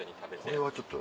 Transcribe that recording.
これはちょっと。